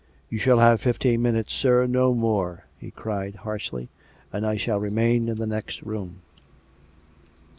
" You shall have fifteen minutes, sir. No more," he cried harshly. " And I shall remain in the next room."